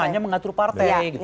hanya mengatur partai